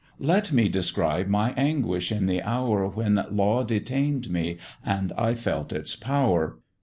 "Let me describe my anguish in the hour When law detain'd me and I felt its power.